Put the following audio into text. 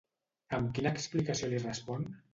Amb quina explicació li respon?